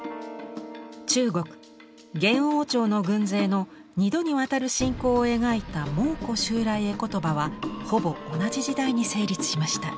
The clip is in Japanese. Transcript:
中国・元王朝の軍勢の２度にわたる侵攻を描いた「蒙古襲来絵詞」はほぼ同じ時代に成立しました。